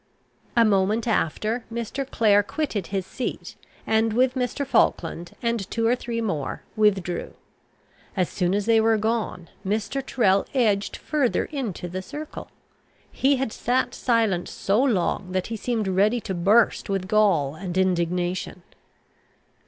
A moment after, Mr. Clare quitted his seat, and with Mr. Falkland and two or three more withdrew. As soon as they were gone, Mr. Tyrrel edged further into the circle. He had sat silent so long that he seemed ready to burst with gall and indignation.